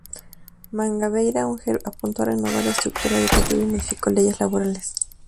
Mangabeira Unger apuntó a renovar la estructura educativa y modificó leyes laborales.